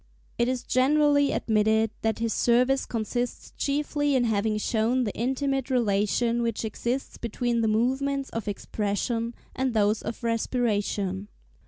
It is generally admitted that his service consists chiefly in having shown the intimate relation which exists between the movements of expression and those of respiration.